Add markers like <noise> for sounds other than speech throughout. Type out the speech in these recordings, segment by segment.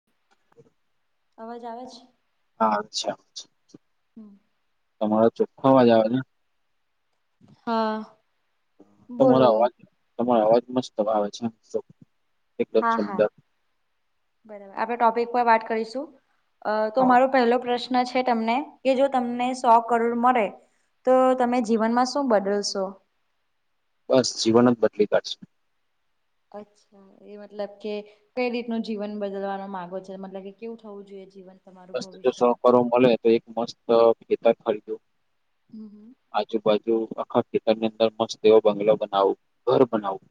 <inaudible> અવાજ આવે છ? હા અચ્છા. હમમ. તમારો ચોખખો અવાજ આવે છે? હા. તમારો બોલો. અવાજ તમારો અવાજ મસ્ત આવે છે. એકદમ હા હા સુંદર બરાબર આપડે ટોપિક પર વાત કરીશું. અ તો હા, મારો પહેલો પ્રશ્ન છે તમને કે જો તમને સો કરોડ મળે. તો તમે જીવનમાં શું બદલશો? બસ જીવન જ બદલી કાઢસુ. અચ્છા. એ મતલબ કે કઈ રીતનું જીવન બદલવાનો માંગો છો મતલબ કે કેવું થવું જોઈએ જીવન તમારું બસ જો સો ભવિષ્યમાં? કરોડ મળે તો એક મસ્ત ખેતર ખરીદુ. હમમ હમમ. આજુબાજુ આખા ખેતરની અંદર મસ્ત બંગલો બનાવો, ઘર બનાવવું.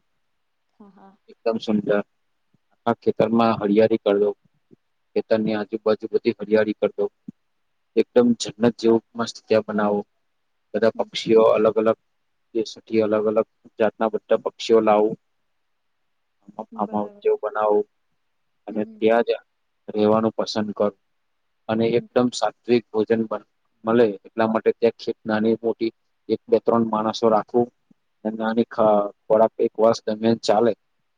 હા હા. એકદમ સુંદર આખા ખેતરમાં હળિયાળી કર દઉં ખેતર ની આજુબાજુ બધી હરિયાળી કર દવ તો એકદમ જન્નત જેવું મસ્ત જગ્યા બનાવુ. બધા હમ પક્ષીઓ અલગ અલગ દેશોથી અલગ અલગ જાતના બધા પક્ષીઓ લાવું. બરાબર <unintelligible> બનાવુ હમ અને હમ ત્યાં જ રહેવાનું પસંદ કરું. અને હમ એકદમ સાત્વિક ભોજન પણ મલે એટલા માટે ત્યાં ખેપ નાની મોટી એક બે ત્રણ માણસો રાખવું. ને નાની ખા ખોરખ એક વર્ષ દરમિયાન ચાલે.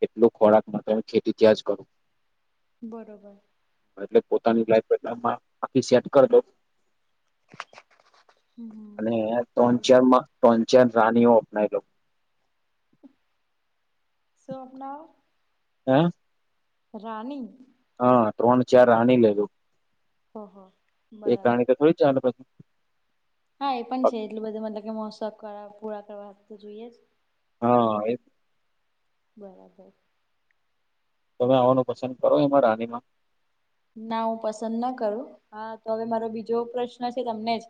એટલું ખોરાક માટે ને ખેતી ત્યાં જ કરો. બરોબર. તને લાઇફ બેટા માં બાકી સેટ કરલો. હમ હમ અને ત્રણ બરાબર ચારમાં ત્રણ ચાર રાનીઓ અપનાય લો. સો આપના એહ? રાની? હા, ત્રણ ચાર રાની લેધું. હ, હ. એ કારણ કે થોડી ચાલ પછી. હા, એ પણ છે એટલું બધું મતલબ કે મોજ શોક કરવા પૂરા કરવા તો જોઈએ જ. હા એ બરાબર. તમે આવવાનું પસંદ કરો એમાં રાનીમાં? ના હું પસંદ ના કરું હા તો હવે મારો બીજો પ્રશ્ન છે તમને જ.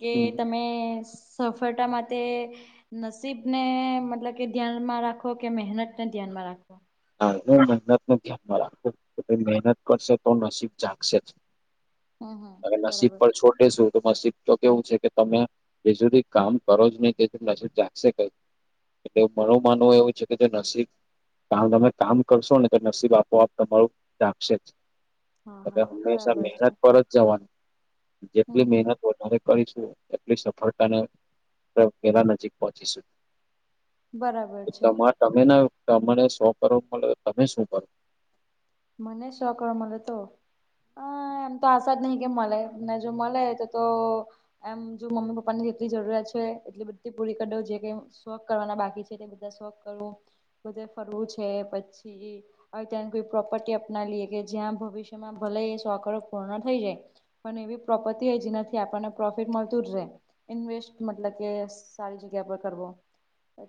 કે હમ તમે સફળતા માટે નસીબ ને મતલબ કે ધ્યાનમાં રાખો કે મહેનત ને ધ્યાનમાં રાખો? હા હું મહેનત ને ધ્યાનમાં રાખું કે ભ મહેનત કરશે તો નસીબ જાગશે જ. હમ હમ અને નસીબ બરાબર પર છોડ દેશું તો મસીદ તો કેવું છે કે તમે બી સુધી કામ કરો જ નહી કેધી નશીબ જાગશે કઈ એટલે મણું માનવું એવું છે કે જે નસીબ કાર તમે કામ કરશો ને તો નસીબ આપોઆપ તમારું રાખશે જ. હા હ હા હંમેશા બરાબર છે મહેનત પર જ જવાની હમ જેટલી હમ મહેનત વધારે કરીશું એટલી સફળતા ને વેલા નજીક પહોંચીશું. બરાબર છે. તમા તમે ના તમેં ને સો કરોડ મલે, તમે શું કરો? મને શો કરોડ મલે તો? અહ એમ તો આશા જ નહી કે મલે. ને જો મલે તો તો એમ જો મમ્મી પપ્પા ની જેટલી જરૂરિયાત છે એટલી બધી પૂરી કરી દવ જે કે શોક કરવાના બાકી છે તે બધા શોક કરવું બધે ફરવું છે પછી હવે ત્યા કોઈ પ્રોપર્ટી અપનાવીએ કે જ્યાં ભવિષ્યમાં ભલે એ સો કરોડ પૂર્ણ થઈ જાય પણ એવી પ્રોપર્ટી હોય જેનાથી આપણને પ્રોફિટ મલતું જ રહે ઇન્વેસ્ટ મતલબ કે સારી જગ્યા પર કરવો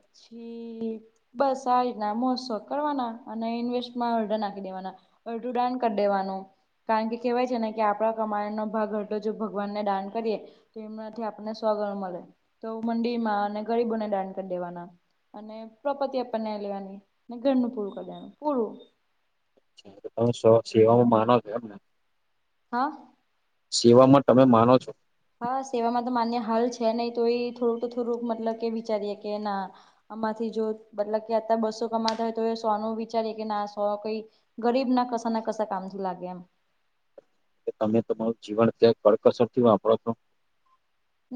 પછી બસ આ રીતના મોશોક કરવાના અને ઇન્વેસ્ટ માં ના દેવાના. અડધું દાન કર દેવાનું. કારણ કે કહેવાય છે ને કે આપડા કમાયણનો ભાગ હતો જો ભગવાનને દાન કરીએ તો એમનાથી આપને સો ઘણું મળે તો મંડી માં અને ગરીબોને દાન કરી દેવાના. અને પ્રોપતિ આપનાઈ લેવાની અને ઘરનું પૂરું કર દેવાનું પૂરું. કારણ કે તમે સ-સેવામાં માનો છો એમ ને? હા. સેવામાં તમે માનો છો? હા, સેવામાં તો માન્ય હાલ છે નહી તો એ થોડુંક તો થોડુંક મતલબ કે વિચારીએ કે ના આમાંથી જો મતલબ કે અત બસો કમાતા હોય તો સોનું વિચારીએ કે ના સો કઈ ગરીબ ના કસ ના કસ કામ લાગે એમ. કે તમે તમારું જીવન ક્યાં કડકસર થી વાપરો છ.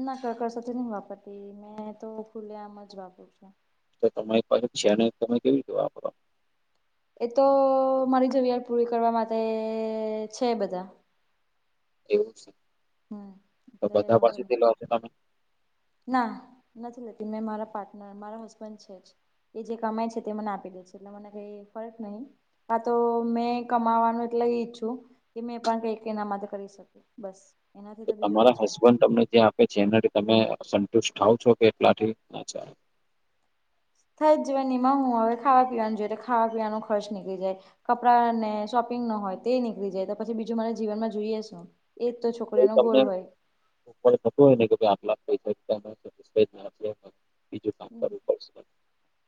ના કર કરશતી નહી વાપરતી મેં તો ફૂલ્યામ જ વાપર છું. તો તમારી પાછુ છેને તમે કેવી જોવા વાપરો? એ તો મારી જરૂરિયાત પૂરી કરવા માટે છે બધા. એવું છે, હમ તો એટલે બધા વાંધો નહી. પાસેથી લો છો તમે? ના નથી લેતી મેં મારા પાર્ટનર મારા હસબન્ડ છે જ. એ જે કમાય છે તે મને આપી લે છે એટલે મને કઈ ફરક નહી. હા તો મેં કમાવાનું એટલે ઈચ્છું, કે મેં પણ કઈક અનામત કરી શક. બસ. એનાથી તો બીજું તમારા કઈ છે હસબન્ડ તમને જે આપે છે એનાથી તમે સંતુષ્ટ થાવ છો કે એટલાથી? થઈ જવા એમાં હું હવે ખાવા પીવાનું જોઈએ ખાવા પીવાનો ખર્ચ નીકળી જાય. કપડા ને શોપિંગ ન હોય તે નીકળી જાય તો પછી બીજું મને જીવનમાં જોઈએ શુ, એતો છોક વું તમને થતું હોય ને કે ભઈ આટલા પૈસા <unintelligible> બીજું કામ કરવું પડશે.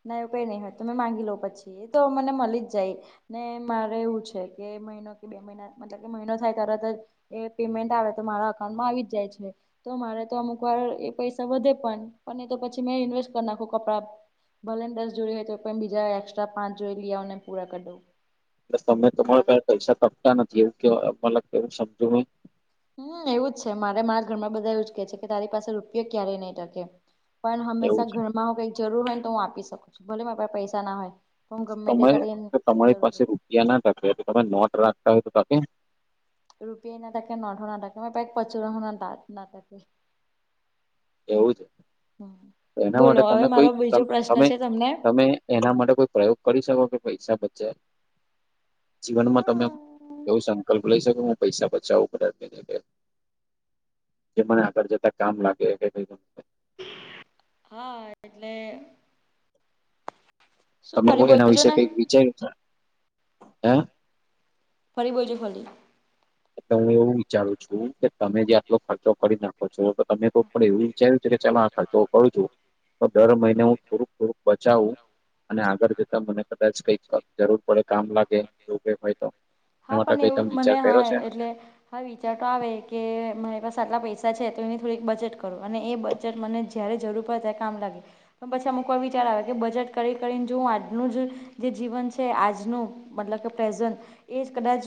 ના એવુ કઈ નઈ હોય તમે માંગી લો પછી તો મને મલી જ જાય. ને મારે એવું છે કે મઇનો કે બે મઇના મતલબ કે મહિનો થાય તરત જ એ પેમેન્ટ આવે તો મારા અકાઉન્ટમાં આવી જ જાય છે. તો મારે તો અમુક વાર એ પૈસા વધે પન પણ એ તો પછી મે ઇન્વેસ્ટ કરી નાખુ કપડા ભલે ને દસ જોડી હોય તો પન બીજા એક્સ્ટ્રા પાંચ જોઇ લી આવું ને પૂરા કરી દેવ. બસ તમે તમારા પાહે પૈસા તપતા નથી એવું કે મત કેવું સમજુ હું? હું એવું જ છે મારે મારા ઘરમાં બધા એવું જ કે છે કે તારી પાસે રૂપિયો ક્યારેય નઇ ટકે. પણ એવું હંમેશા છે ઘરમાં હું કઈક જરૂર હોય ને તો હું આપી શકું છું ભલે મા પૈસા ના હોય. હું ગમ્મે તે કરીને કરૂ. પિયા નાં ટકે તો તમે નોટ રાખતા હોય તો ટકે? રૂપિયા ના ટકે નોટ હો ના ટકે મારી પાહે પરચુરણ હો ના ટકે. એવું છે તો એના બોલો માટે હવે તમે મારો કોઈ બીજો તમ પ્રશ્ન તમે છે તમને? તમે એના માટે કોઈ પ્રયોગ કરી શકો કે પૈસા બચે? જીવનમાં તમે હા એવું સંકલ્પ લઈ શકો હું પૈસા બચાવું કદાચ તરીકે. જે મને આગળ જતા કામ લાગે કઈક. હા એટલે શું તમે કો ફરી એના બોલજો વિશે ને કઈક વિચાર્યું છે હે? ફરી બોલજો ફલી. એતે હું એવું વિચારું છું કે તમે જે આટલો ખર્ચો કરી નાખો. છો તો તમે કો પડે એવું વિચાર્યું છે કે ચાલો આ ખર્ચો કરું છું. તો દર મહિને હું થોડુંક થોડુંક બચાવું. અને આગળ જતા મને કદાચ કઈક જરૂર પડે કામ લાગે એવું કઈ હોય તો. એના હા માટે પન કઈ એવું તમે મને વિચાર હા કર્યો છે એટલે હા વિચાર તો આવે કે મારી પાસે આટલા પૈસા છે તો એ થોડીક બચત કરું અને એ બચત મને જ્યારે જરૂર પડે ત્યારે કામ લાગે. પણ પછી અમૂકવા વિચાર આવે કે બચત કરી કરીને જો હું આજનું, જ જે જીવન છે આજનું. મતલબ કે પ્રેઝન્ટ, એજ કદાજ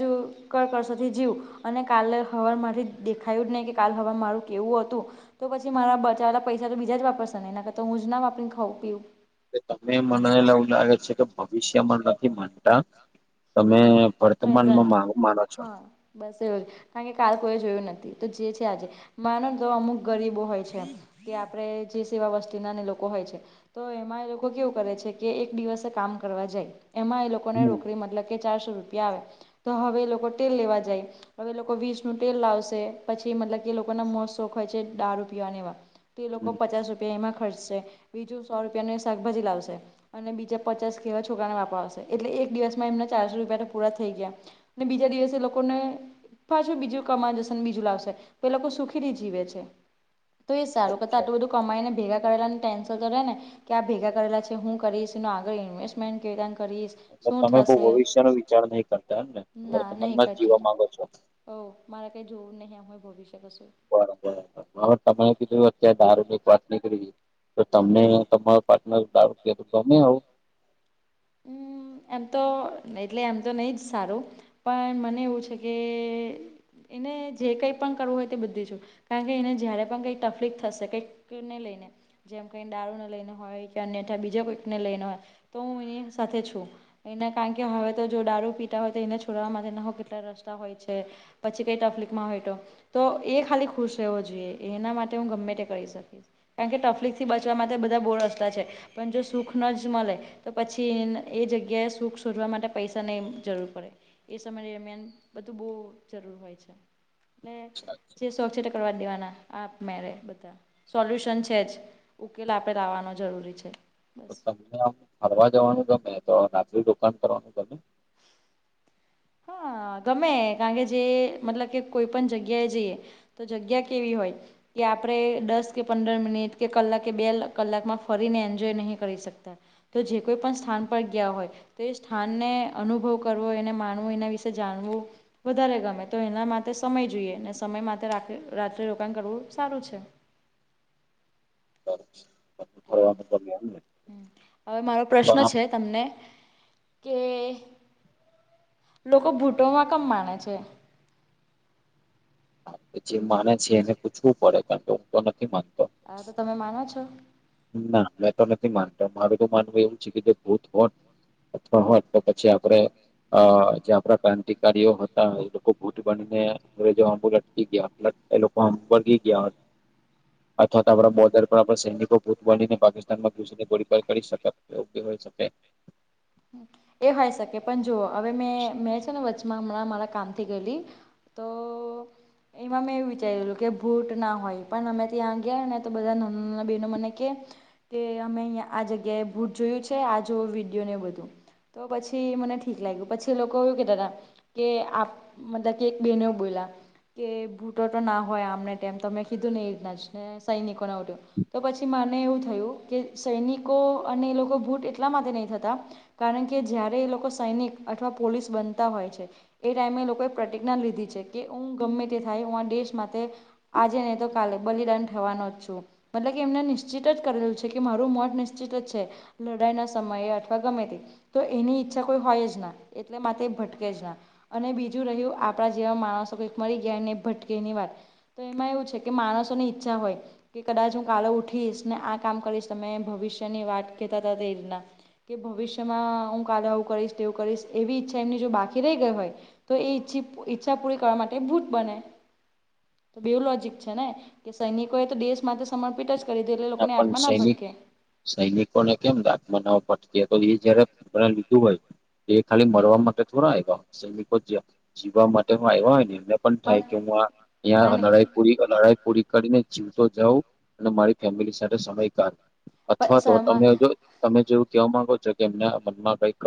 કરકષોથી જીવ, અને કાલે હવાર માથી જ દેખાયું જ નઇ કે કાલ હવાર મારું કેવું અત તો, તો પછી મારા બચાવેલા પૈસા તો બીજા જ વાપરશે ને એના કરતા હું જ ના વાપરીન ખાઉ પિવ. કે તમે મનેલ એવું લાગે છે કે ભવિષ્યમાં નથી માનતા તમે વર્તમાનમાં પ્રેઝન્ટ મા માનો છો. હા બસ એવું કારણ કે કાલ કોઈએ જોયું નથી તો જે છે આજે માનો ને તો અમુક ગરીબો હોય છે કે આપડે જે સેવા વસ્તી ના ને લોકો હોય છે. તો એમાં એ લોકો કેવું કરે છે કે એક દિવસે કામ કરવા જાય એમાં એ લોક લોકોને હમ રોકડી મતલબ કે ચારસો રૂપિયા આવે તો હવે એ લોકો તેલ લેવા જાય. હવે એ લોકો વીષ નું તેલ લાવશે પછી મતલબ કે એ લોકોના મોજ શોખ હોય છે દારૂ પીવાને એવા તો એ લોકો હમ પચાસ રૂપિયા એમાં ખર્ચશે બીજું સો રૂપિયાનું એ શાકભાજી લાવશે. અને બીજા પચાસ કે વા છોકરાને વાપરવા આવશે એટલે એક દિવસ માં એમને ચાર સો રૂપિયાતો પૂરા થય ગીયાં અને બીજા દિવસે લોકોને પાછું બીજું કમાય લેશે ને બીજું લાવશે તો એ લોકો સુખી થી જીવે છે. તો એ સારું કરતા આટલું બધું કમાઈ ને ભેગા કરેલા ને ટેન્સન તો રેને કે આ ભેગા કરેલા છે હું કરીશ એનું આગળ ઇન્વેસ્ટમેન્ટ કેવી રાન કરીશ. તો શું તમે તો થશે ભવિષ્ય નો વિચાર નહી કરતા એમ ને વર્તમાનમાં જીવા માંગો છો. હોવ મારે કઈ જોવું નહિ એમ એ ભવિષ્ય કસુ. બરાબરા હવે તમે કીધું અત્યારે દારૂ ની એક વાત નિકળી તો તમને તમારો પાર્ટનર દારુ પિયે તો ગમે એવું? હમમ એમ તો એટલે એમ તો નહીં જ સારું. પણ મને એવું છે કે એને જે કઈ પણ કરવું હોય તે બધી છૂટ કારણ કે એને જયારે પણ કઈક તકલીફ થશે કઈક <unintelligible> ને લઈને જેમ કઈ દારૂને લઈને હોય કે અન્યથા બીજા કોઈકને લઈને હોય તો હું એની સાથે છું. એને કારણ કે હવે તો જો દારૂ પીટા હોય તો એને છોડવા માટે ના હો કેટલા રસ્તા હોય છે. પછી કઈ તફ્લીક માં હોય તો તો એ ખાલી ખુશ રહેવો જોઈએ એના માટે હું ગમે તે કરી શકીશ. કારણ કે ટફ્લિક થી બચવા માટે બધા બો રસ્તા છે પણ જો સુખ ન જ મળે તો પછી પછી એ જગ્યાએ સુખ શોધવા માટે પૈસા ની જરૂર પડે. એ સમય દરમિયાન બધું બો જરૂર હોય છે એટલે જે શોક છે તે કરવા જ દેવાના આપ મેરે બધા સોલ્યુશન છે જ ઉકેલ આપડે લાવવાનો જરૂરી છે. તો બસ તમને આમ ફરવા જવાનું ગમે તો રાત્રી રોકાણ કરવાનું ગમે? હા ગમે કારણ કે જે મતલબ કે કોઈ પણ જગ્યાએ જઈએ તો જગ્યા કેવી હોય? કે આપરે દસ કે પંદર મિનિટ કે કલાકે બે કલાકમાં ફરીને એન્જોય નહીં કરી શકતા. તો જે કોઈ પણ સ્થાન પર ગીયા હોય તો એ સ્થાનને અનુભવ કરવો એને માન માણવું, એના વિશેે જાણવું વધારે ગમે તો એના માટે સમય જોઈએ ને સમય માટે રાત્રે રોકાણ કરવું સારું છે. ફરવા મતલબ ગિયા એમ ને હમમ હવે મારો પ્રશ્ન છે તમને કે લોકો ભૂટોમાં કેમ માણે છે? કે જે માને છે એને પૂછવું પડે કારણ કે હું તો નથી માનતો. હા તો તમે માનો છો? ના મેં તો નથી માનતા મારું તો માનવું એવું છે કે જો ભૂત હોત અથવા હોત તો પછી આપડે અ જે આપણા ક્રાંતિકારીઓ હતા એ લોકો ભૂત બનીને <unintelligible> લટકી ગીયા એ લોકો આમ ભાગી ગયા હોત અથવા ત આપડા બોર્ડર પર સૈનિકો ભૂત બનીને પાકિસ્તાનમાં ઘુસીને ગોળબાર કરી શકાત એવ હોય શકે. એ હોય શકે પણ જોઓ હવે મે મેં છે ને વચ્ચે મા હમણાં મારા કામથી ગયેલી, તો એમાં મેં એવું વિચારીલું કે ભૂટ ના હોય પણ અમે ત્યાં ગયા ને તો બધા ના બહેનો મને કે. કે અમે અહંયા આ જગ્યાએ ભૂટ જોયું છે આ જો વિડીયો ને બધું. તો પછી મને ઠીક લાગ્યું પછી લોકો એવું કેતાતા. કે આપ મતલબ કે એક બેન એવું બોલ્યા. કે ભૂટો તો ના હોય આમને ટેઈમ તમે કીધું ને એજ ના જ ને સૈનિકોને એવું તેવું. તો પછી મને એવું થયું કે સૈનિકો અને એ લોકો ભૂટ એટલા માટે નહી થતા. કારણ કે જ્યારે એ લોકો સૈનિક અથવા પોલીસ બનતા હોય છે. એ ટાઈમે લોકોએ પ્રતિજ્ઞા લીધી છે કે હું ગમે તે થાય હું આ દેશ માટે આજે નહી તો કાલે બલિદાન થવાનો જ છું. મતલબ કે એમને નિશ્ચિત જ કરેલું છે કે મારું મોત નિશ્ચિત જ છે. લડાઈ ના સમયે અથવા ગમે તે. તો એની ઈચ્છા કોઈ હોય જ ના એટલે માટે એ ભટકે જ ના. અને બીજું રહ્યું આપણા જેવા માણસો કઈક મરી ગયા ને ભટકેની વાત. એમાં એવું છે કે માણસોની ઈચ્છા હોય. કે કદાચ હું કાલે ઉઠીશ ને આ કામ કરીશ તમે ભવિષ્યની વાત કેતા હતા તે રીતના. કે ભવિષ્યમાં હું કાલે આવું કરીશ તેવું કરીશ એવી ઈચ્છા એમની જો બાકી રહી ગઈ હોય. તો એ ઈછ ઈચ્છા પૂરી કરવા માટે ભૂત બને. તો બે લોજીક છે ને, કે સૈનિકો એ તો દેશ માટે સમર્પિત જ કરી દીધું એટલે ના લોકોને પણ આત્મા સૈનિક ભટકે. સૈનિકોને કેમ દાખ મનાવ ભટકે તો એ જયારે લીધું હોય. એ ખાલી મરવા માટે થોડા આવ્યા હોય, સૈનિકો જ જીવવા માટે હો આવ્યા હોય ને એમને પણ થાય કે હું આ પણ લડાઈ પૂરી લડાઈ પૂરી કરીને જીવતો જાઉં, અને મારી ફેમિલી સાથે સમય કાઢું, પણ અથવા તો સમા તમે જો તમે જેવું કેવા માંગો છો કે એમના મનમાં કઈક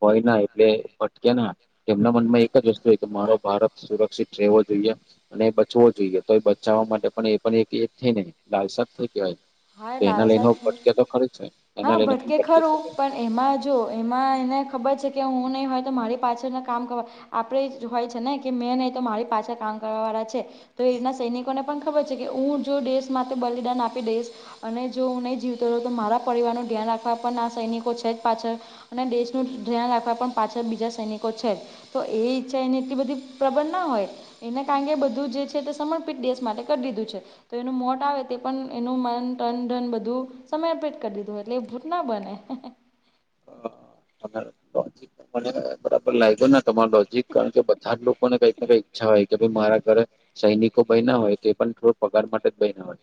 હોય ના એટલે ભટકે ના. એમના મનમાં એક જ વસ્તૂ હોય કે મારો ભારત સુરક્ષિત રહેવો જોઈએ. અને એ બચવો જોઈએ તો એ બચાવવા માટે પણ એ પણ એક એક થઈ ને લાલસા થઈ કેવાય. હા એના લાલસા લઈને છું. ભટકે તો ખરુ છે હા એના લઈને પણ ભટકે ભટકી ખરું શકે. પણ એમાં જો એમાં એને ખબર છે કે હું નહીં હોય તો મારી પાછળના કામ કરવા. આપણે એ જ હોય છે ને કે મેં નહી તો મારી પાછા કામ કરવા વાળા છે. તો એના સૈનિકોને પણ ખબર છે કે હું જો દેશ માટે બલિદાન આપી દઈશ. અને જો હું નહી જીવતો રહું તો મારા પરિવારનું ધ્યાન રાખવા પણ આ સૈનિકો છે જ પાછળ. અને દેશનું ધ્યાન રાખવા પણ પાછળ બીજા સૈનિકો છે. તો એ ઈચ્છા એને એટલી બધી પ્રબળના હોય. એને કારણ કે બધું જે છે તે સમર્પિત દેશ માટે કરી દીધું છે, તો એનું મોત આવે તે પણ એનું ટન ધન બધું, સમર્પિત કરી દીધું એટલે એ ભૂત ના બને. મને બરાબર લાયગો નથી. તમાર લોજિક કારણ કે બધા જ લોકોને કઈકને કઈક ઈચ્છા હોય. કે ભાઈ મારા ઘરે, સૈનિકો બયના હોય તો પણ થોડોક પગાર માટે જ બયના હોય.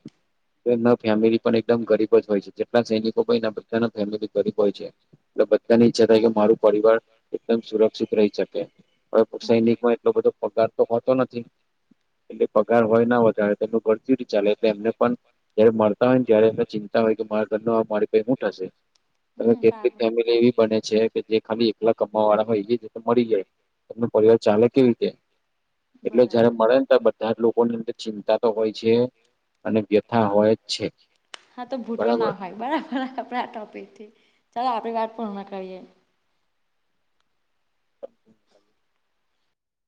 એના ફેમિલી પણ એકદમ ગરીબ જ હોય છે જેટલા સૈનિકો ભઈના બધા ફેમિલી ગરીબ હોય છે. એટલે બધાની ઈચ્છા થાય કે મારું પરિવાર એકદમ સુરક્ષિત રહી શકે, હવે સૈનિકમાં એટલો બધો પગાર તો હોતો નથી. એટલે પગાર હોય ના વધારે તેમનું ઘર કેવી રીતે ચાલે એટલે એમને પણ જયારે મરતા હોય ને ત્યારે એમને ચિંતા હોય કે મારા ઘરનું મારી પહી હું થશે. અને હમમ કેટલીક ફેમિલી એવી બને છે કે જે ખાલી એકલા કમાવા વાળા હોય એ જ રીતે મરી જાય. તેમનો પરિવાર ચાલે કેવી રીતે? એટલે જયારે બરાબર મરે ને ત્યારે બધા જ લોકો ને એમની ચિંતા તો હોય છે. અને વ્યથા હોય જ છે. હા તો ભુતો બરાબર ના હોય. બરાબર આપડે આ ટોપિક થી ચાલો આપડી વાત પણ હમના કરીએ.